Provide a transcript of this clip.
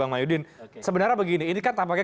bang mahyudin sebenarnya begini ini kan tampaknya